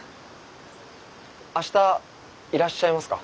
明日いらっしゃいますか？